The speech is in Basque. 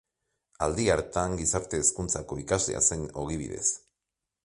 Aldi hartan, Gizarte Hezkuntzako ikaslea zen ogibidez.